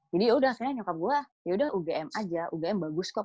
jadi yaudah nyokap gue yaudah ugm aja ugm bagus kok